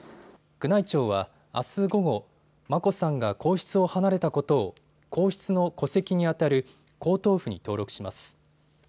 宮内庁はあす午後、眞子さんが皇室を離れたことを皇室の戸籍に当たる皇統譜に登録します。